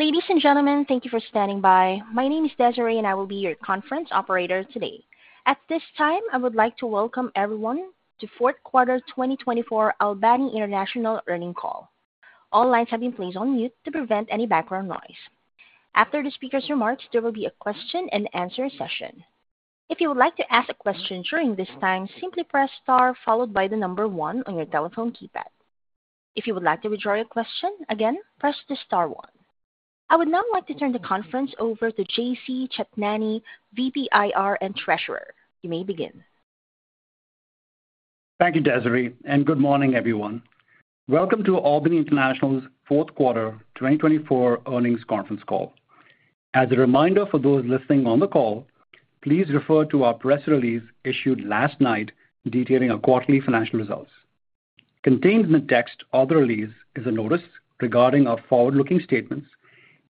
Ladies and gentlemen, thank you for standing by. My name is Desiree, and I will be your conference operator today. At this time, I would like to welcome everyone to Fourth Quarter 2024 Albany International Earnings Call. All lines have been placed on mute to prevent any background noise. After the speaker's remarks, there will be a question-and-answer session. If you would like to ask a question during this time, simply press star followed by the number one on your telephone keypad. If you would like to withdraw your question again, press the star one. I would now like to turn the conference over to JC Chetnani, VP, IR and Treasurer. You may begin. Thank you, Desiree, and good morning, everyone. Welcome to Albany International's Fourth Quarter 2024 Earnings Conference Call. As a reminder for those listening on the call, please refer to our press release issued last night detailing our quarterly financial results. Contained in the text of the release is a notice regarding our forward-looking statements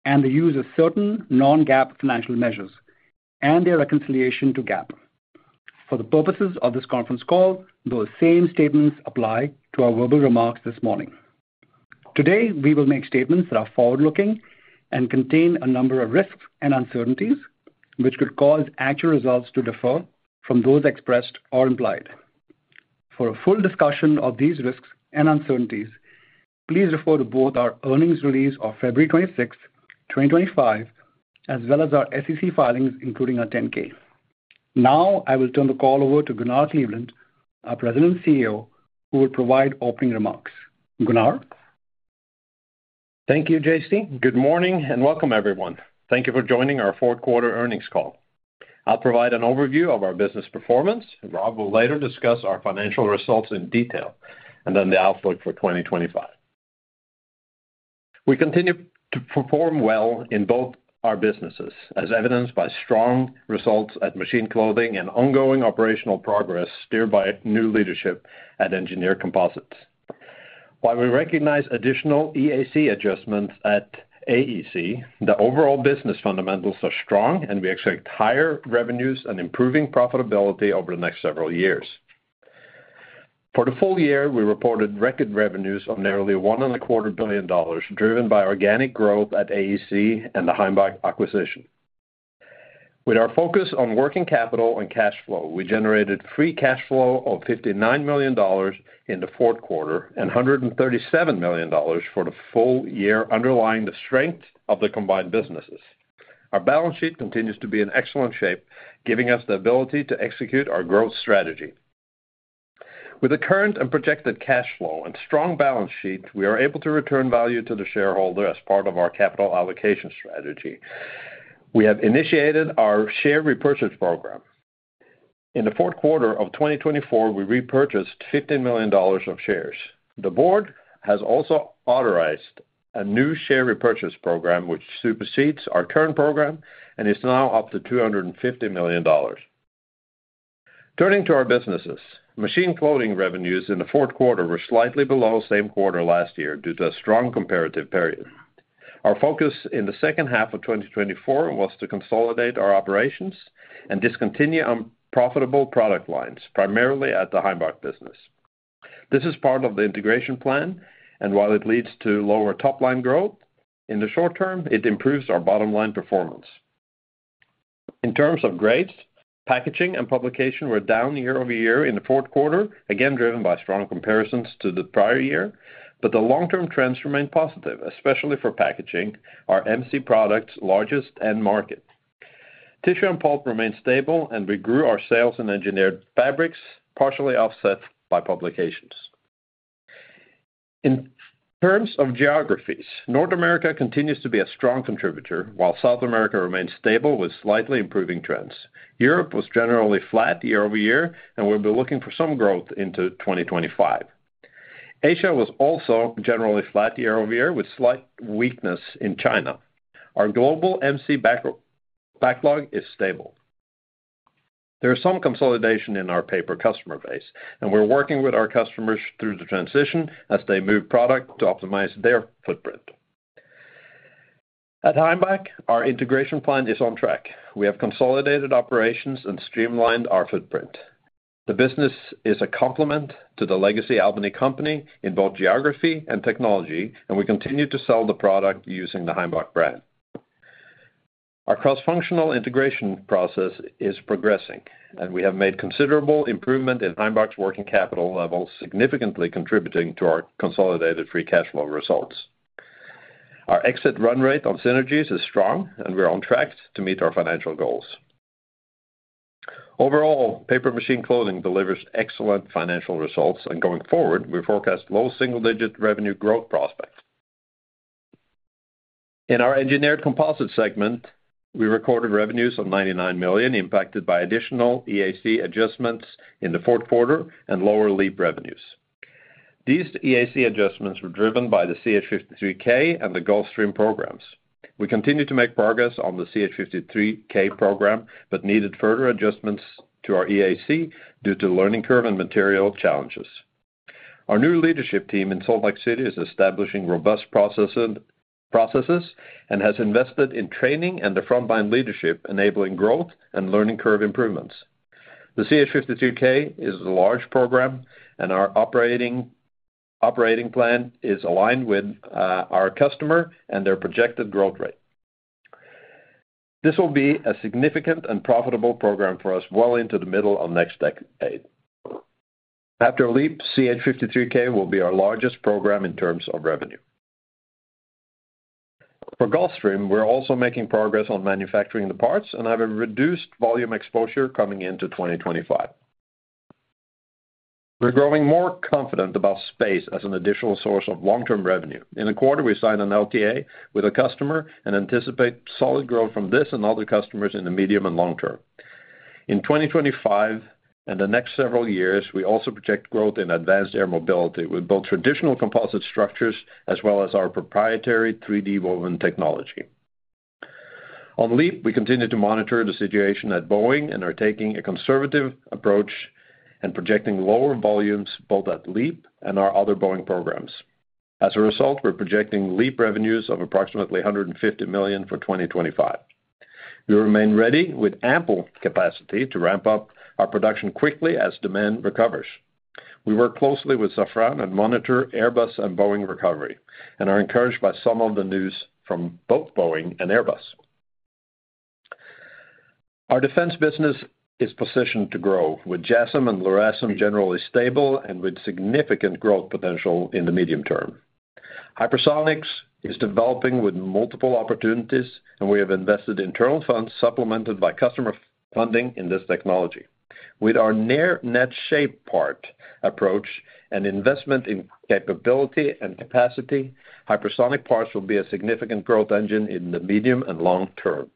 and the use of certain non-GAAP financial measures and their reconciliation to GAAP. For the purposes of this conference call, those same statements apply to our verbal remarks this morning. Today, we will make statements that are forward-looking and contain a number of risks and uncertainties which could cause actual results to differ from those expressed or implied. For a full discussion of these risks and uncertainties, please refer to both our earnings release of February 26, 2025, as well as our SEC filings, including our 10-K. Now, I will turn the call over to Gunnar Kleveland, our President and CEO, who will provide opening remarks. Gunnar. Thank you, JC. Good morning and welcome, everyone. Thank you for joining our Fourth Quarter Earnings Call. I'll provide an overview of our business performance, and Rob will later discuss our financial results in detail, and then the outlook for 2025. We continue to perform well in both our businesses, as evidenced by strong results at Machine Clothing and ongoing operational progress steered by new leadership at Engineered Composites. While we recognize additional EAC adjustments at AEC, the overall business fundamentals are strong, and we expect higher revenues and improving profitability over the next several years. For the full year, we reported record revenues of nearly $1.25 billion, driven by organic growth at AEC and the Heimbach acquisition. With our focus on working capital and cash flow, we generated free cash flow of $59 million in the fourth quarter and $137 million for the full year, underlying the strength of the combined businesses. Our balance sheet continues to be in excellent shape, giving us the ability to execute our growth strategy. With the current and projected cash flow and strong balance sheet, we are able to return value to the shareholder as part of our capital allocation strategy. We have initiated our share repurchase program. In the fourth quarter of 2024, we repurchased $15 million of shares. The board has also authorized a new share repurchase program, which supersedes our current program and is now up to $250 million. Turning to our businesses, Machine Clothing revenues in the fourth quarter were slightly below the same quarter last year due to a strong comparative period. Our focus in the second half of 2024 was to consolidate our operations and discontinue unprofitable product lines, primarily at the Heimbach business. This is part of the integration plan, and while it leads to lower top-line growth, in the short term, it improves our bottom-line performance. In terms of grades, packaging and publication were down year over year in the fourth quarter, again driven by strong comparisons to the prior year, but the long-term trends remain positive, especially for packaging, our MC product's largest end market. Tissue and pulp remained stable, and we grew our sales in engineered fabrics, partially offset by publications. In terms of geographies, North America continues to be a strong contributor, while South America remains stable with slightly improving trends. Europe was generally flat year over year, and we'll be looking for some growth into 2025. Asia was also generally flat year over year, with slight weakness in China. Our global MC backlog is stable. There is some consolidation in our paper customer base, and we're working with our customers through the transition as they move product to optimize their footprint. At Heimbach, our integration plan is on track. We have consolidated operations and streamlined our footprint. The business is a complement to the legacy Albany company in both geography and technology, and we continue to sell the product using the Heimbach brand. Our cross-functional integration process is progressing, and we have made considerable improvement in Heimbach's working capital level, significantly contributing to our consolidated free cash flow results. Our exit run rate on synergies is strong, and we're on track to meet our financial goals. Overall, paper Machine Clothing delivers excellent financial results, and going forward, we forecast low single-digit revenue growth prospects. In our Engineered Composites segment, we recorded revenues of $99 million, impacted by additional EAC adjustments in the fourth quarter and lower LEAP revenues. These EAC adjustments were driven by the CH-53K and the Gulfstream programs. We continue to make progress on the CH-53K program, but needed further adjustments to our EAC due to learning curve and material challenges. Our new leadership team in Salt Lake City is establishing robust processes and has invested in training and the frontline leadership, enabling growth and learning curve improvements. The CH-53K is a large program, and our operating plan is aligned with our customer and their projected growth rate. This will be a significant and profitable program for us well into the middle of next decade. After LEAP, CH-53K will be our largest program in terms of revenue. For Gulfstream, we're also making progress on manufacturing the parts and have a reduced volume exposure coming into 2025. We're growing more confident about space as an additional source of long-term revenue. In the quarter, we signed an LTA with a customer and anticipate solid growth from this and other customers in the medium and long term. In 2025 and the next several years, we also project growth in advanced air mobility with both traditional composite structures as well as our proprietary 3D woven technology. On LEAP, we continue to monitor the situation at Boeing and are taking a conservative approach and projecting lower volumes both at LEAP and our other Boeing programs. As a result, we're projecting LEAP revenues of approximately $150 million for 2025. We remain ready with ample capacity to ramp up our production quickly as demand recovers. We work closely with Safran and monitor Airbus and Boeing recovery and are encouraged by some of the news from both Boeing and Airbus. Our defense business is positioned to grow, with JASSM and LRASM generally stable and with significant growth potential in the medium term. Hypersonics is developing with multiple opportunities, and we have invested internal funds supplemented by customer funding in this technology. With our near-net-shape part approach and investment in capability and capacity, hypersonic parts will be a significant growth engine in the medium and long term.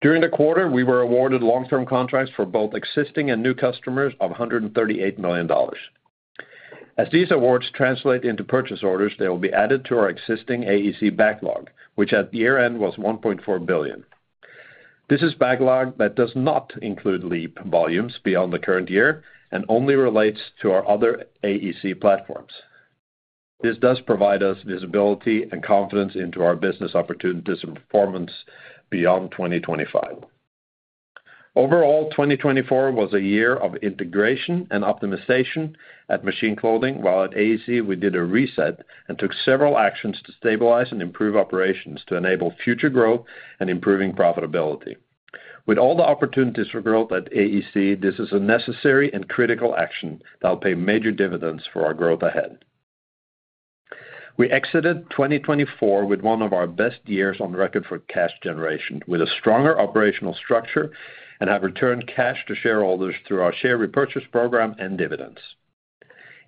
During the quarter, we were awarded long-term contracts for both existing and new customers of $138 million. As these awards translate into purchase orders, they will be added to our existing AEC backlog, which at year-end was $1.4 billion. This is backlog that does not include LEAP volumes beyond the current year and only relates to our other AEC platforms. This does provide us visibility and confidence into our business opportunities and performance beyond 2025. Overall, 2024 was a year of integration and optimization at Machine Clothing, while at AEC, we did a reset and took several actions to stabilize and improve operations to enable future growth and improving profitability. With all the opportunities for growth at AEC, this is a necessary and critical action that will pay major dividends for our growth ahead. We exited 2024 with one of our best years on record for cash generation, with a stronger operational structure and have returned cash to shareholders through our share repurchase program and dividends.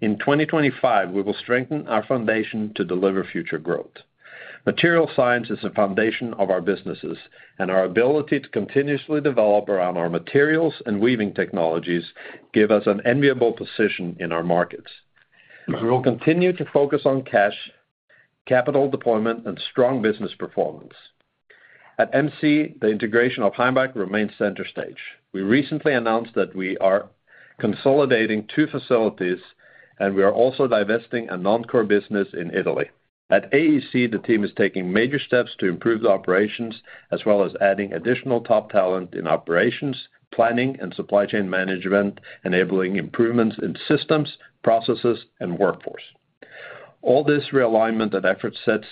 In 2025, we will strengthen our foundation to deliver future growth. Material science is the foundation of our businesses, and our ability to continuously develop around our materials and weaving technologies gives us an enviable position in our markets. We will continue to focus on cash, capital deployment, and strong business performance. At MC, the integration of Heimbach remains center stage. We recently announced that we are consolidating two facilities, and we are also divesting a non-core business in Italy. At AEC, the team is taking major steps to improve the operations as well as adding additional top talent in operations, planning, and supply chain management, enabling improvements in systems, processes, and workforce. All this realignment and effort sets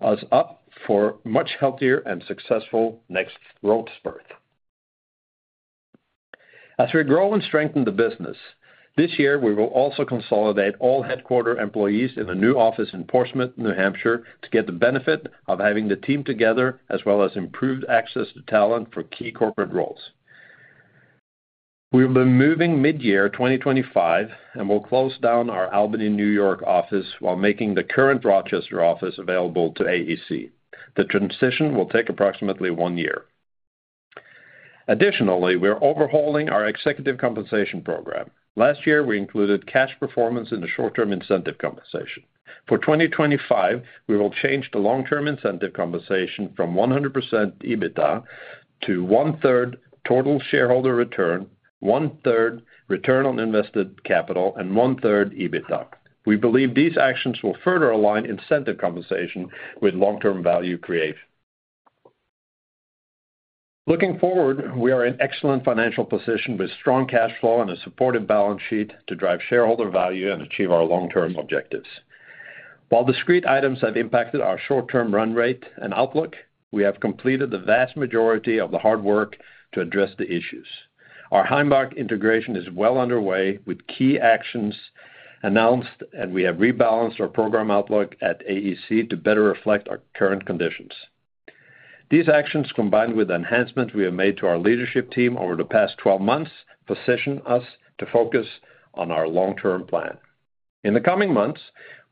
us up for much healthier and successful next growth spurt. As we grow and strengthen the business, this year, we will also consolidate all headquarters employees in a new office in Portsmouth, New Hampshire, to get the benefit of having the team together as well as improved access to talent for key corporate roles. We will be moving mid-year 2025 and will close down our Albany, New York office while making the current Rochester office available to AEC. The transition will take approximately one year. Additionally, we are overhauling our executive compensation program. Last year, we included cash performance in the short-term incentive compensation. For 2025, we will change the long-term incentive compensation from 100% EBITDA to 1/3 total shareholder return, 1/3 return on invested capital, and 1/3 EBITDA. We believe these actions will further align incentive compensation with long-term value creation. Looking forward, we are in excellent financial position with strong cash flow and a supportive balance sheet to drive shareholder value and achieve our long-term objectives. While discrete items have impacted our short-term run rate and outlook, we have completed the vast majority of the hard work to address the issues. Our Heimbach integration is well underway with key actions announced, and we have rebalanced our program outlook at AEC to better reflect our current conditions. These actions, combined with the enhancements we have made to our leadership team over the past 12 months, position us to focus on our long-term plan. In the coming months,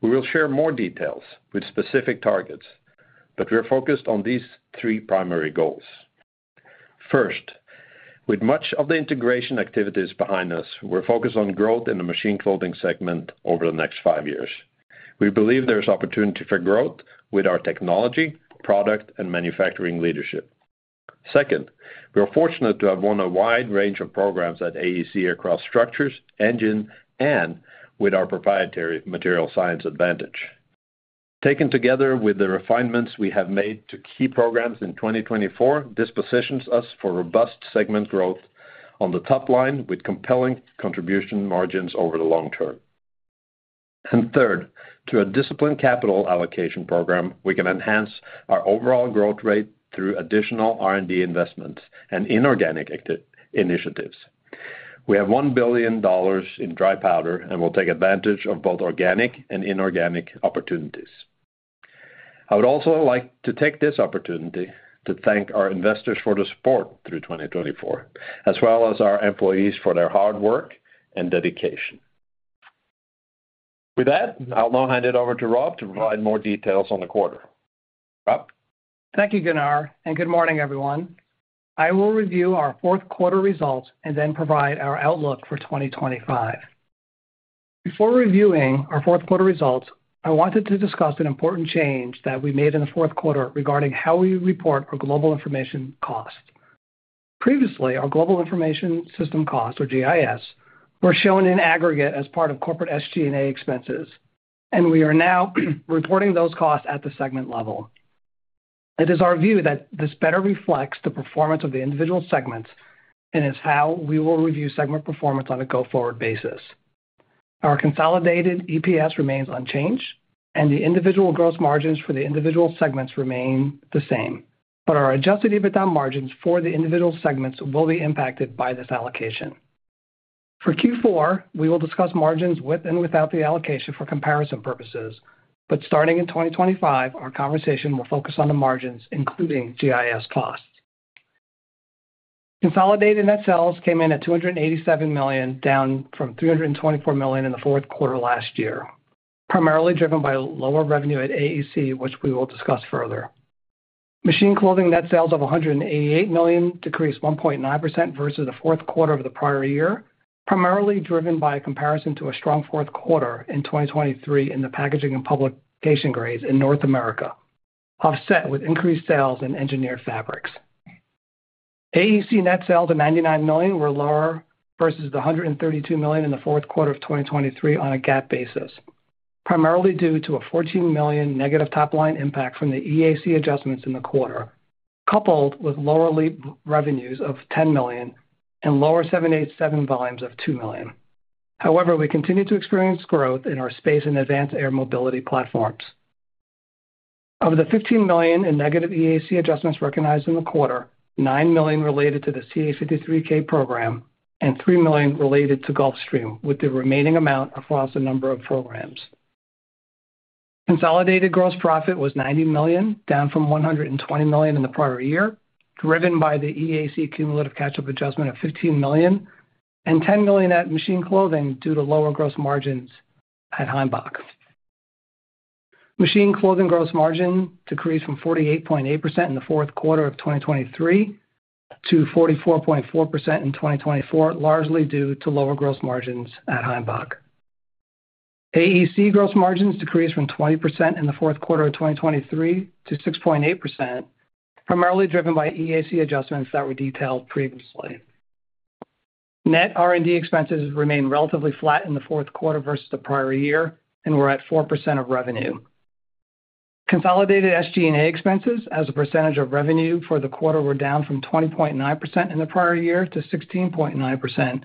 we will share more details with specific targets, but we are focused on these three primary goals. First, with much of the integration activities behind us, we're focused on growth in the Machine Clothing segment over the next five years. We believe there is opportunity for growth with our technology, product, and manufacturing leadership. Second, we are fortunate to have won a wide range of programs at AEC across structures, engine, and with our proprietary material science advantage. Taken together with the refinements we have made to key programs in 2024, this positions us for robust segment growth on the top line with compelling contribution margins over the long term, and third, through a disciplined capital allocation program, we can enhance our overall growth rate through additional R&D investments and inorganic initiatives. We have $1 billion in dry powder, and we'll take advantage of both organic and inorganic opportunities. I would also like to take this opportunity to thank our investors for the support through 2024, as well as our employees for their hard work and dedication. With that, I'll now hand it over to Rob to provide more details on the quarter. Rob? Thank you, Gunnar, and good morning, everyone. I will review our fourth quarter results and then provide our outlook for 2025. Before reviewing our fourth quarter results, I wanted to discuss an important change that we made in the fourth quarter regarding how we report our global information costs. Previously, our global information system costs, or GIS, were shown in aggregate as part of corporate SG&A expenses, and we are now reporting those costs at the segment level. It is our view that this better reflects the performance of the individual segments and is how we will review segment performance on a go-forward basis. Our consolidated EPS remains unchanged, and the individual gross margins for the individual segments remain the same, but our adjusted EBITDA margins for the individual segments will be impacted by this allocation. For Q4, we will discuss margins with and without the allocation for comparison purposes, but starting in 2025, our conversation will focus on the margins, including GIS costs. Consolidated net sales came in at $287 million, down from $324 million in the fourth quarter last year, primarily driven by lower revenue at AEC, which we will discuss further. Machine Clothing net sales of $188 million decreased 1.9% versus the fourth quarter of the prior year, primarily driven by a comparison to a strong fourth quarter in 2023 in the packaging and publication grades in North America, offset with increased sales in engineered fabrics. AEC net sales of $99 million were lower versus the $132 million in the fourth quarter of 2023 on a GAAP basis, primarily due to a $14 million negative top-line impact from the EAC adjustments in the quarter, coupled with lower LEAP revenues of $10 million and lower 787 volumes of $2 million. However, we continue to experience growth in our space and advanced air mobility platforms. Of the $15 million in negative EAC adjustments recognized in the quarter, $9 million related to the CH-53K program and $3 million related to Gulfstream, with the remaining amount across a number of programs. Consolidated gross profit was $90 million, down from $120 million in the prior year, driven by the EAC cumulative catch-up adjustment of $15 million and $10 million at Machine Clothing due to lower gross margins at Heimbach. Machine Clothing gross margin decreased from 48.8% in the fourth quarter of 2023 to 44.4% in 2024, largely due to lower gross margins at Heimbach. AEC gross margins decreased from 20% in the fourth quarter of 2023 to 6.8%, primarily driven by EAC adjustments that were detailed previously. Net R&D expenses remained relatively flat in the fourth quarter versus the prior year, and we're at 4% of revenue. Consolidated SG&A expenses, as a percentage of revenue for the quarter, were down from 20.9% in the prior year to 16.9%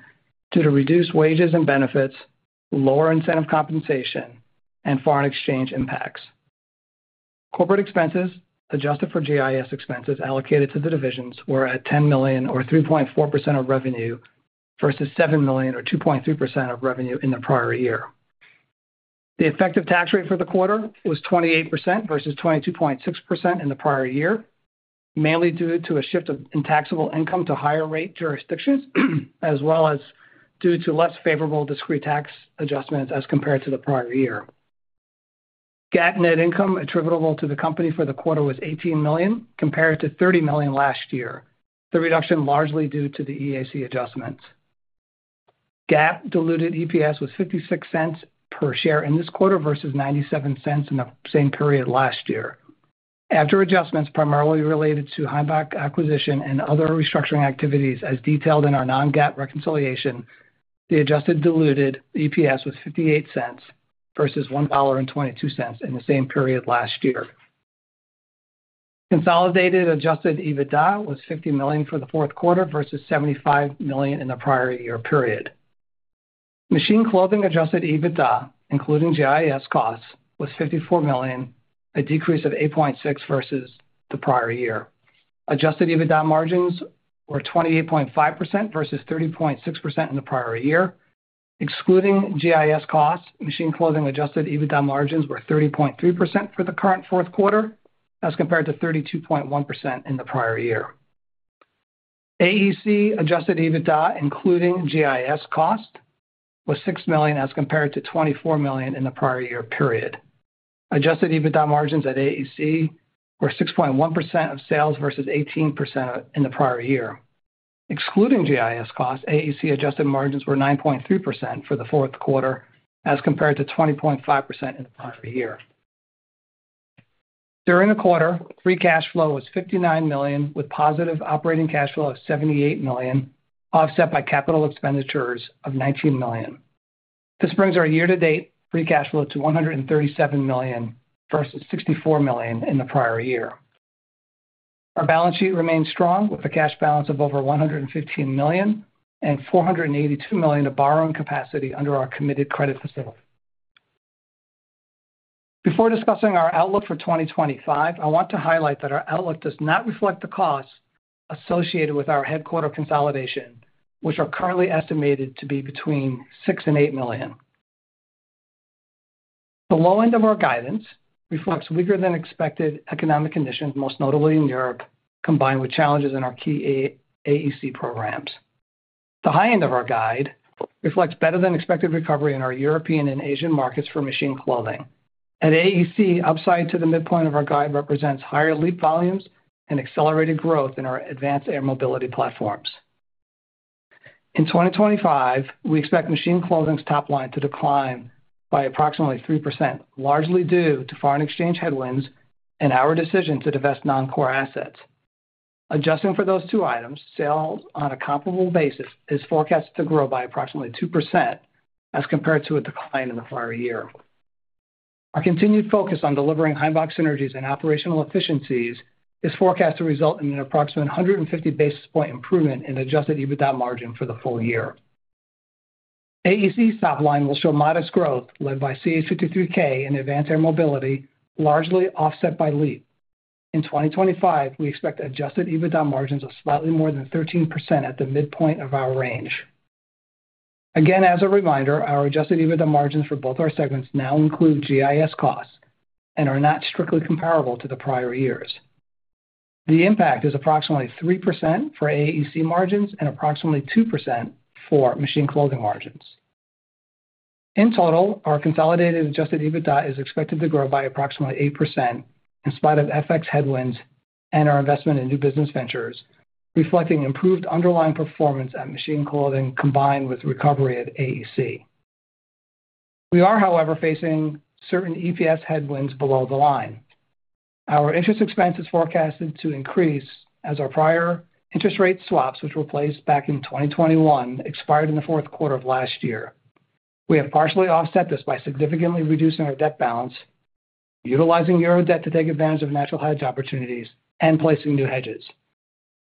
due to reduced wages and benefits, lower incentive compensation, and foreign exchange impacts. Corporate expenses adjusted for GIS expenses allocated to the divisions were at $10 million, or 3.4% of revenue, versus $7 million, or 2.3% of revenue in the prior year. The effective tax rate for the quarter was 28% versus 22.6% in the prior year, mainly due to a shift in taxable income to higher rate jurisdictions, as well as due to less favorable discrete tax adjustments as compared to the prior year. GAAP net income attributable to the company for the quarter was $18 million, compared to $30 million last year, the reduction largely due to the AEC adjustments. GAAP diluted EPS was $0.56 per share in this quarter versus $0.97 in the same period last year. After adjustments primarily related to Heimbach acquisition and other restructuring activities, as detailed in our non-GAAP reconciliation, the adjusted diluted EPS was $0.58 versus $1.22 in the same period last year. Consolidated adjusted EBITDA was $50 million for the fourth quarter versus $75 million in the prior year period. Machine Clothing adjusted EBITDA, including GIS costs, was $54 million, a decrease of 8.6% versus the prior year. Adjusted EBITDA margins were 28.5% versus 30.6% in the prior year. Excluding GIS costs, Machine Clothing adjusted EBITDA margins were 30.3% for the current fourth quarter, as compared to 32.1% in the prior year. AEC adjusted EBITDA, including GIS costs, was $6 million as compared to $24 million in the prior year period. Adjusted EBITDA margins at AEC were 6.1% of sales versus 18% in the prior year. Excluding GIS costs, AEC adjusted margins were 9.3% for the fourth quarter, as compared to 20.5% in the prior year. During the quarter, free cash flow was $59 million, with positive operating cash flow of $78 million, offset by capital expenditures of $19 million. This brings our year-to-date free cash flow to $137 million versus $64 million in the prior year. Our balance sheet remains strong, with a cash balance of over $115 million and $482 million of borrowing capacity under our committed credit facility. Before discussing our outlook for 2025, I want to highlight that our outlook does not reflect the costs associated with our headquarters consolidation, which are currently estimated to be between $6 million and $8 million. The low end of our guidance reflects weaker-than-expected economic conditions, most notably in Europe, combined with challenges in our key AEC programs. The high end of our guide reflects better-than-expected recovery in our European and Asian markets for Machine Clothing. At AEC, upside to the midpoint of our guide represents higher LEAP volumes and accelerated growth in our advanced air mobility platforms. In 2025, we expect Machine Clothing's top line to decline by approximately 3%, largely due to foreign exchange headwinds and our decision to divest non-core assets. Adjusting for those two items, sales on a comparable basis is forecast to grow by approximately 2% as compared to a decline in the prior year. Our continued focus on delivering Heimbach synergies and operational efficiencies is forecast to result in an approximate 150 basis point improvement in adjusted EBITDA margin for the full year. AEC's top line will show modest growth, led by CH-53K and advanced air mobility, largely offset by LEAP. In 2025, we expect adjusted EBITDA margins of slightly more than 13% at the midpoint of our range. Again, as a reminder, our adjusted EBITDA margins for both our segments now include GIS costs and are not strictly comparable to the prior years. The impact is approximately 3% for AEC margins and approximately 2% for Machine Clothing margins. In total, our consolidated adjusted EBITDA is expected to grow by approximately 8% in spite of FX headwinds and our investment in new business ventures, reflecting improved underlying performance at Machine Clothing combined with recovery at AEC. We are, however, facing certain EPS headwinds below the line. Our interest expense is forecasted to increase as our prior interest rate swaps, which were placed back in 2021, expired in the fourth quarter of last year. We have partially offset this by significantly reducing our debt balance, utilizing euro debt to take advantage of natural hedge opportunities, and placing new hedges.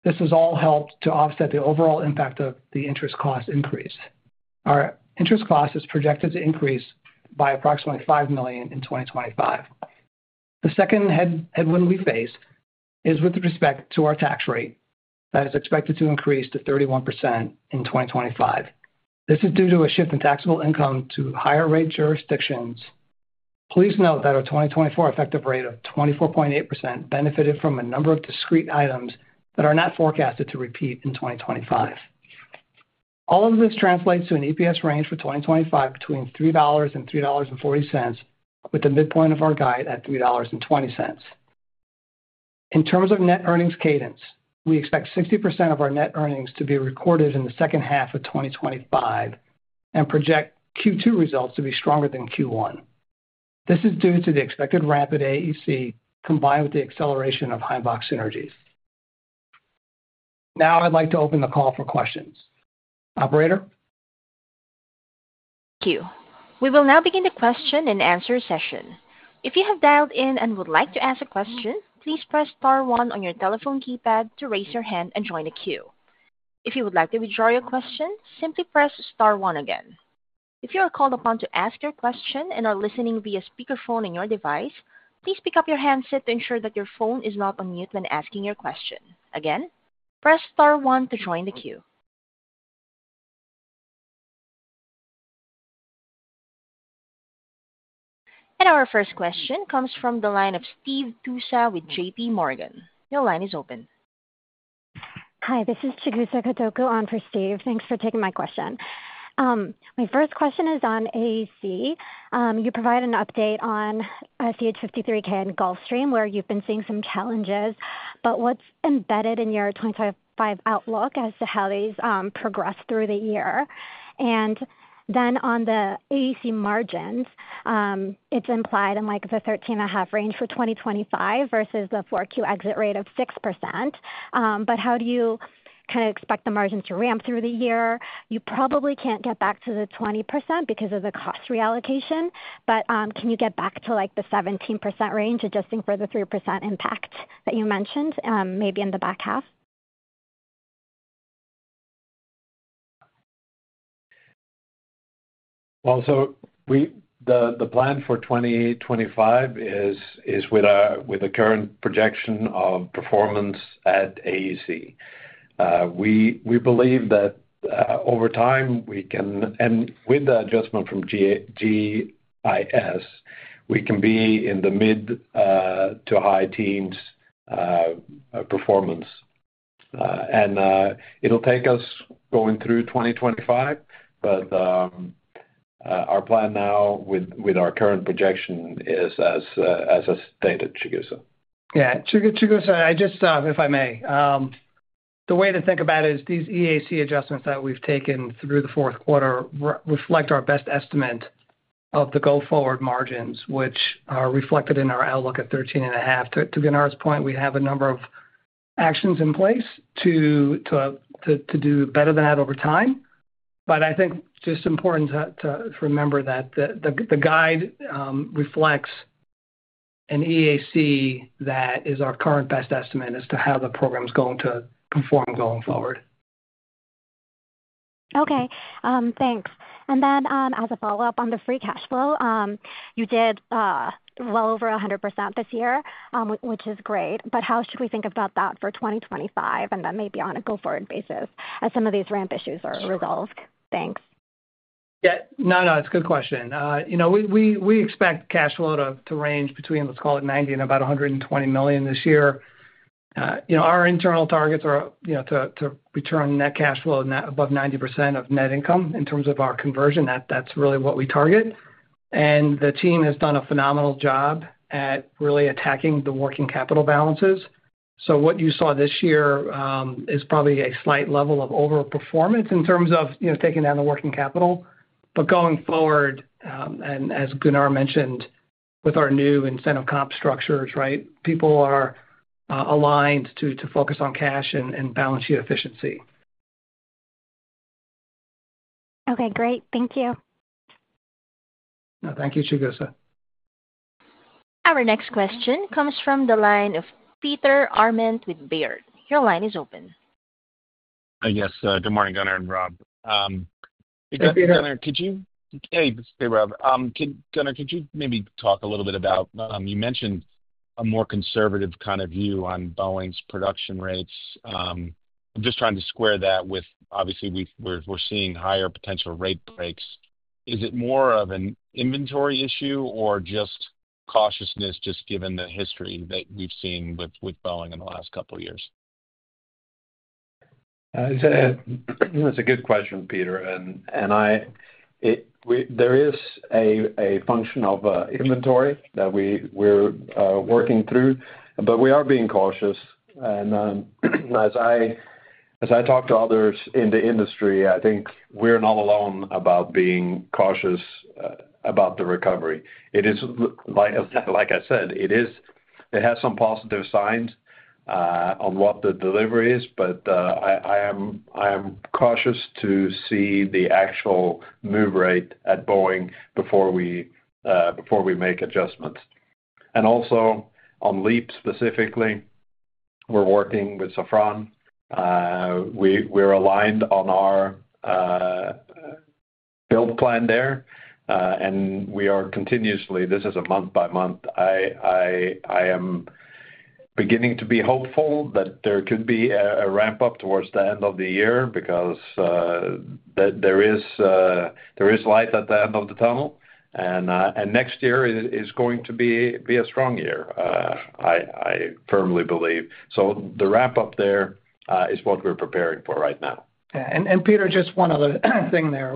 This has all helped to offset the overall impact of the interest cost increase. Our interest cost is projected to increase by approximately $5 million in 2025. The second headwind we face is with respect to our tax rate that is expected to increase to 31% in 2025. This is due to a shift in taxable income to higher rate jurisdictions. Please note that our 2024 effective rate of 24.8% benefited from a number of discrete items that are not forecasted to repeat in 2025. All of this translates to an EPS range for 2025 between $3 and $3.40, with the midpoint of our guide at $3.20. In terms of net earnings cadence, we expect 60% of our net earnings to be recorded in the second half of 2025 and project Q2 results to be stronger than Q1. This is due to the expected ramp at AEC combined with the acceleration of Heimbach synergies. Now, I'd like to open the call for questions. Operator? Thank you. We will now begin the question and answer session. If you have dialed in and would like to ask a question, please press star one on your telephone keypad to raise your hand and join the queue. If you would like to withdraw your question, simply press star one again. If you are called upon to ask your question and are listening via speakerphone on your device, please pick up your handset to ensure that your phone is not on mute when asking your question. Again, press star one to join the queue. Our first question comes from the line of Steve Tusa with J.P. Morgan. Your line is open. Hi, this is Chigusa Katoku, on for Steve. Thanks for taking my question. My first question is on AEC. You provide an update on CH-53K and Gulfstream, where you've been seeing some challenges, but what's embedded in your 2025 outlook as to how these progress through the year? And then on the AEC margins, it's implied in the 13.5% range for 2025 versus the 4Q exit rate of 6%. But how do you kind of expect the margins to ramp through the year? You probably can't get back to the 20% because of the cost reallocation, but can you get back to the 17% range, adjusting for the 3% impact that you mentioned, maybe in the back half? So the plan for 2025 is with a current projection of performance at AEC. We believe that over time, we can, and with the adjustment from GIS, we can be in the mid to high teens performance. And it'll take us going through 2025, but our plan now with our current projection is, as I stated, Chigusa. Yeah, Chigusa, I just, if I may, the way to think about it is these EAC adjustments that we've taken through the fourth quarter reflect our best estimate of the go-forward margins, which are reflected in our outlook at 13.5%. To Gunnar's point, we have a number of actions in place to do better than that over time. But I think just important to remember that the guide reflects an EAC that is our current best estimate as to how the program's going to perform going forward. Okay. Thanks. Then as a follow-up on the free cash flow, you did well over 100% this year, which is great. But how should we think about that for 2025 and then maybe on a go-forward basis as some of these ramp issues are resolved? Thanks. Yeah. No, no, it's a good question. We expect cash flow to range between, let's call it, $90 million and about $120 million this year. Our internal targets are to return net cash flow above 90% of net income in terms of our conversion. That's really what we target. And the team has done a phenomenal job at really attacking the working capital balances. So what you saw this year is probably a slight level of overperformance in terms of taking down the working capital. But going forward, and as Gunnar mentioned, with our new incentive comp structures, right, people are aligned to focus on cash and balance sheet efficiency. Okay. Great. Thank you. No, thank you, Chigusa. Our next question comes from the line of Peter Arment with Baird. Your line is open. Yes. Good morning, Gunnar and Rob. Good morning, Peter. Could you—hey, Robert. Gunnar, could you maybe talk a little bit about you mentioned a more conservative kind of view on Boeing's production rates. I'm just trying to square that with, obviously, we're seeing higher potential rate breaks. Is it more of an inventory issue or just cautiousness, just given the history that we've seen with Boeing in the last couple of years? That's a good question, Peter. And there is a function of inventory that we're working through, but we are being cautious. As I talk to others in the industry, I think we're not alone about being cautious about the recovery. Like I said, it has some positive signs on what the delivery is, but I am cautious to see the actual move rate at Boeing before we make adjustments. And also, on LEAP specifically, we're working with Safran. We're aligned on our build plan there, and we are continuously, this is a month-by-month. I am beginning to be hopeful that there could be a ramp-up towards the end of the year because there is light at the end of the tunnel, and next year is going to be a strong year, I firmly believe. So the ramp-up there is what we're preparing for right now. Yeah. And Peter, just one other thing there.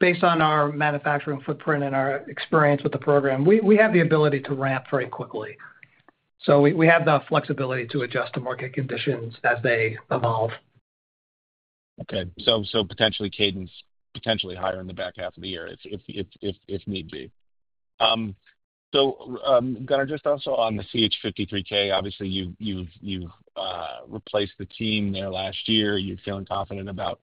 Based on our manufacturing footprint and our experience with the program, we have the ability to ramp very quickly. So we have the flexibility to adjust to market conditions as they evolve. Okay. So potentially cadence, potentially higher in the back half of the year if need be. So Gunnar, just also on the CH-53K, obviously, you've replaced the team there last year. You're feeling confident about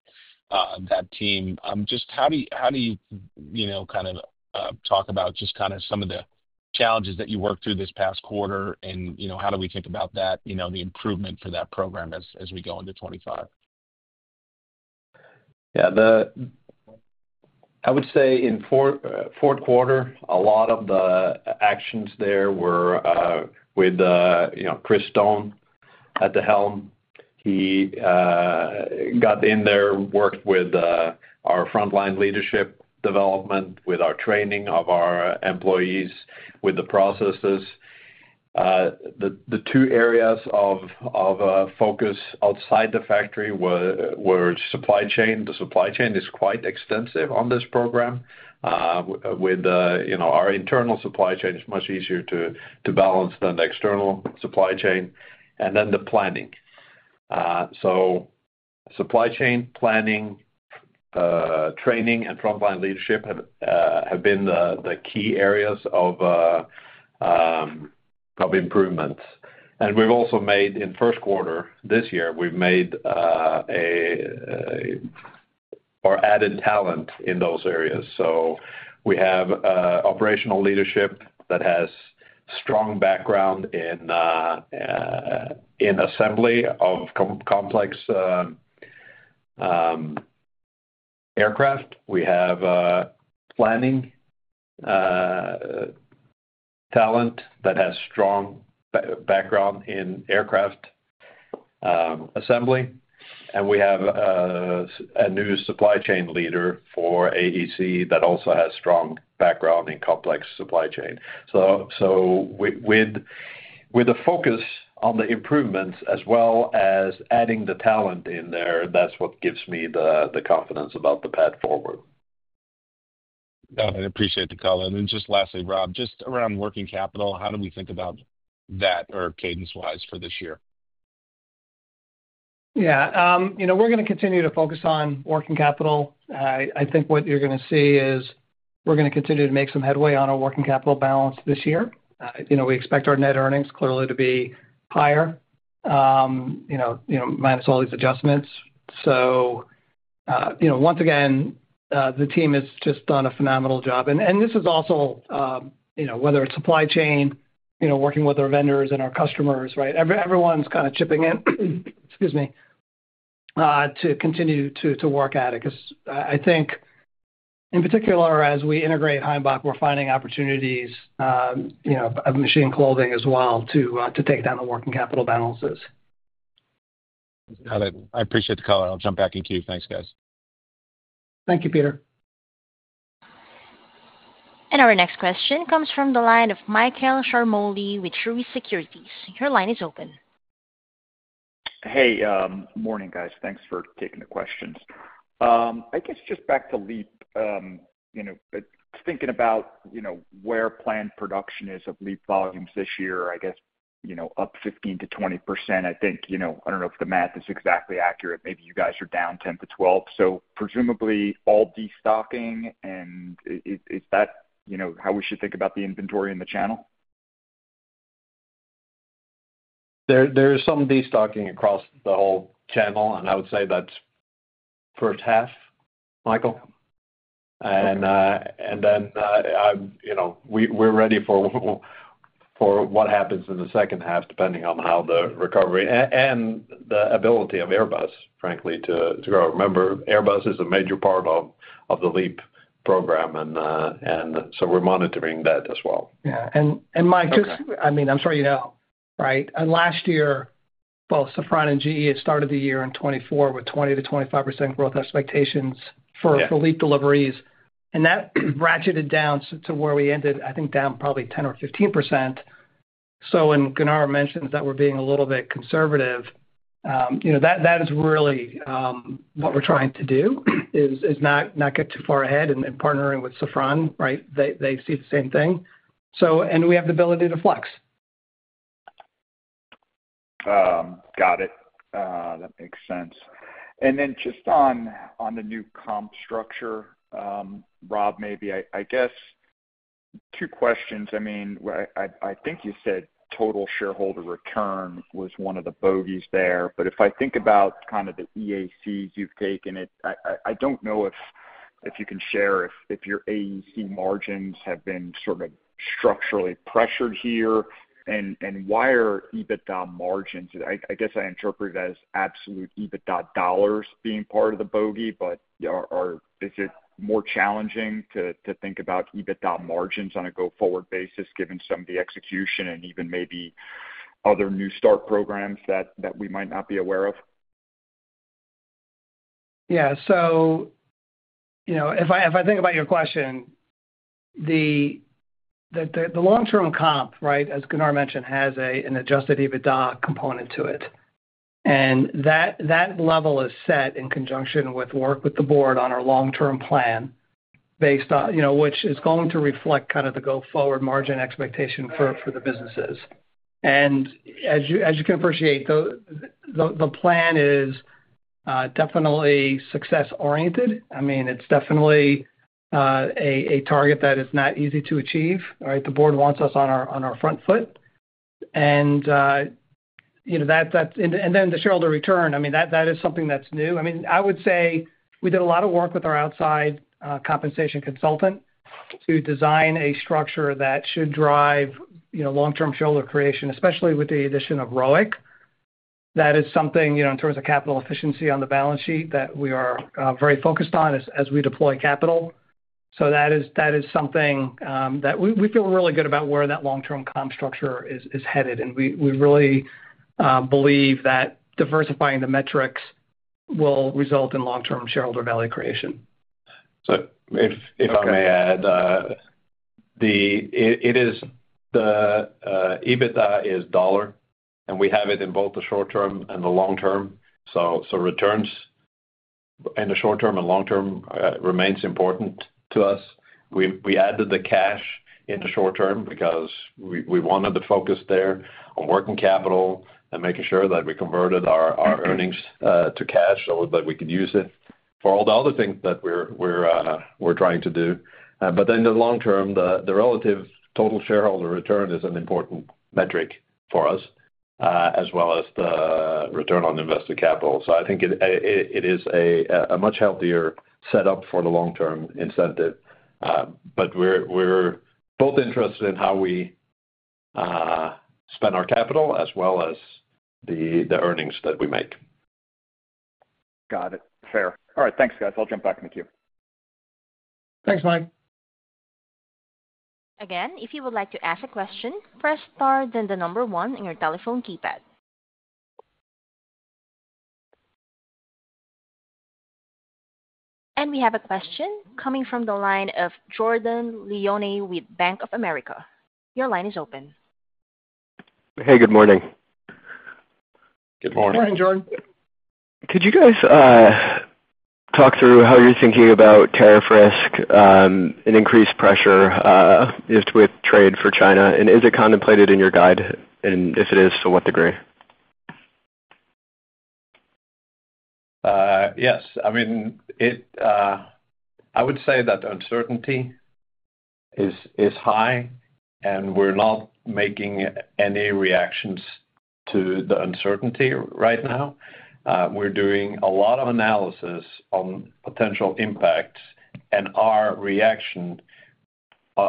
that team. Just how do you kind of talk about just kind of some of the challenges that you worked through this past quarter, and how do we think about that, the improvement for that program as we go into 2025? Yeah. I would say in fourth quarter, a lot of the actions there were with Chris Stone at the helm. He got in there, worked with our frontline leadership development, with our training of our employees, with the processes. The two areas of focus outside the factory were supply chain. The supply chain is quite extensive on this program. With our internal supply chain, it's much easier to balance than the external supply chain. And then the planning. So supply chain planning, training, and frontline leadership have been the key areas of improvement. And we've also made, in first quarter this year, we've made or added talent in those areas. So we have operational leadership that has a strong background in assembly of complex aircraft. We have planning talent that has a strong background in aircraft assembly. And we have a new supply chain leader for AEC that also has a strong background in complex supply chain. So with a focus on the improvements as well as adding the talent in there, that's what gives me the confidence about the path forward. No, I appreciate the color. And then just lastly, Rob, just around working capital, how do we think about that or cadence-wise for this year? Yeah. We're going to continue to focus on working capital. I think what you're going to see is we're going to continue to make some headway on our working capital balance this year. We expect our net earnings clearly to be higher, minus all these adjustments. So once again, the team has just done a phenomenal job. And this is also whether it's supply chain, working with our vendors and our customers, right? Everyone's kind of chipping in, excuse me, to continue to work at it. Because I think, in particular, as we integrate Heimbach, we're finding opportunities of Machine Clothing as well to take down the working capital balances. Got it. I appreciate the color. I'll jump back in queue. Thanks, guys. Thank you, Peter. And our next question comes from the line of Michael Ciarmoli with Truist Securities. Your line is open. Hey. Morning, guys. Thanks for taking the questions. I guess just back to LEAP, thinking about where planned production is of LEAP volumes this year, I guess up 15%-20%. I think, I don't know if the math is exactly accurate. Maybe you guys are down 10%-12%. So presumably all destocking, and is that how we should think about the inventory in the channel? There is some destocking across the whole channel, and I would say that's first half, Michael. And then we're ready for what happens in the second half, depending on how the recovery and the ability of Airbus, frankly, to grow. Remember, Airbus is a major part of the LEAP program, and so we're monitoring that as well. Yeah. Mike, just, I mean, I'm sure you know, right? Last year, both Safran and GE had started the year in 2024 with 20%-25% growth expectations for LEAP deliveries. And that ratcheted down to where we ended, I think, down probably 10% or 15%. So when Gunnar mentioned that we're being a little bit conservative, that is really what we're trying to do, is not get too far ahead. And partnering with Safran, right? They see the same thing. And we have the ability to flex. Got it. That makes sense. And then just on the new comp structure, Rob, maybe, I guess two questions. I mean, I think you said total shareholder return was one of the bogeys there. But if I think about kind of the EAC's you've taken, I don't know if you can share if your AEC margins have been sort of structurally pressured here, and why are EBITDA margins? I guess I interpret it as absolute EBITDA dollars being part of the bogey, but is it more challenging to think about EBITDA margins on a go-forward basis, given some of the execution and even maybe other new start programs that we might not be aware of? Yeah, so if I think about your question, the long-term comp, right, as Gunnar mentioned, has an adjusted EBITDA component to it, and that level is set in conjunction with work with the board on our long-term plan, which is going to reflect kind of the go-forward margin expectation for the businesses, and as you can appreciate, the plan is definitely success-oriented. I mean, it's definitely a target that is not easy to achieve, right? The board wants us on our front foot, and then the shareholder return, I mean, that is something that's new. I mean, I would say we did a lot of work with our outside compensation consultant to design a structure that should drive long-term shareholder creation, especially with the addition of ROIC. That is something, in terms of capital efficiency on the balance sheet, that we are very focused on as we deploy capital. So that is something that we feel really good about where that long-term comp structure is headed, and we really believe that diversifying the metrics will result in long-term shareholder value creation. So if I may add, the EBITDA is dollar, and we have it in both the short-term and the long-term. So returns in the short-term and long-term remain important to us. We added the cash in the short-term because we wanted to focus there on working capital and making sure that we converted our earnings to cash so that we could use it for all the other things that we're trying to do. But then in the long-term, the relative Total Shareholder Return is an important metric for us, as well as the Return on Invested Capital. So I think it is a much healthier setup for the long-term incentive. But we're both interested in how we spend our capital as well as the earnings that we make. Got it. Fair. All right. Thanks, guys. I'll jump back in the queue. Thanks, Mike. Again, if you would like to ask a question, press star then the number one in your telephone keypad, and we have a question coming from the line of Jordan Lyonnais with Bank of America. Your line is open. Hey, good morning. Good morning. Good morning, Jordan. Could you guys talk through how you're thinking about tariff risk and increased pressure with trade for China? And is it contemplated in your guide? And if it is, to what degree? Yes. I mean, I would say that uncertainty is high, and we're not making any reactions to the uncertainty right now. We're doing a lot of analysis on potential impacts and our reaction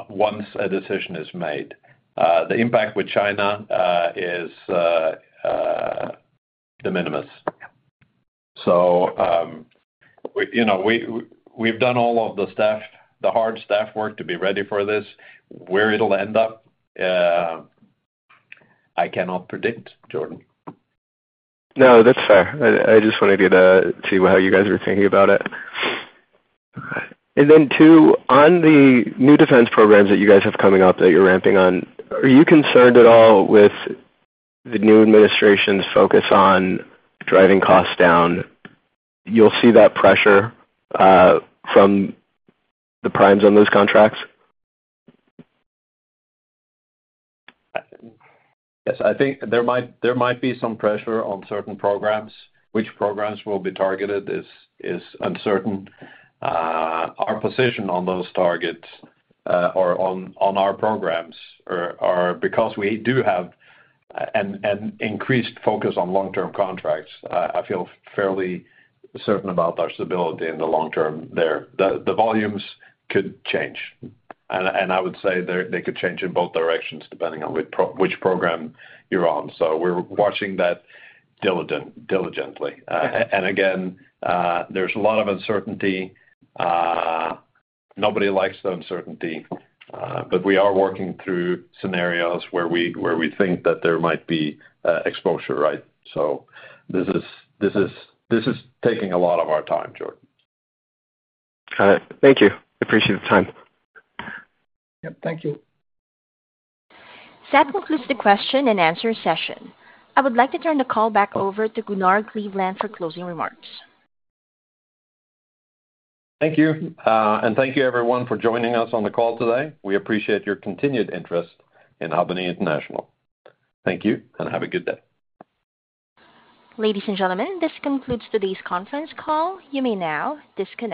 once a decision is made. The impact with China is de minimis. So we've done all of the hard staff work to be ready for this. Where it'll end up, I cannot predict, Jordan. No, that's fair. I just wanted to see how you guys were thinking about it. And then two, on the new defense programs that you guys have coming up that you're ramping on, are you concerned at all with the new administration's focus on driving costs down? You'll see that pressure from the primes on those contracts? Yes. I think there might be some pressure on certain programs. Which programs will be targeted is uncertain. Our position on those targets or on our programs are because we do have an increased focus on long-term contracts. I feel fairly certain about our stability in the long-term there. The volumes could change. And I would say they could change in both directions depending on which program you're on. So we're watching that diligently. And again, there's a lot of uncertainty. Nobody likes the uncertainty. But we are working through scenarios where we think that there might be exposure, right? So this is taking a lot of our time, Jordan. Got it. Thank you. Appreciate the time. Yep. Thank you. That concludes the question and answer session. I would like to turn the call back over to Gunnar Kleveland for closing remarks. Thank you. And thank you, everyone, for joining us on the call today. We appreciate your continued interest in Albany International. Thank you, and have a good day. Ladies and gentlemen, this concludes today's conference call. You may now disconnect.